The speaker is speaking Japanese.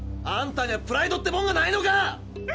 あんたにゃプライドってもんがないのか！